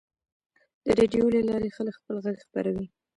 د راډیو له لارې خلک خپل غږ خپروي.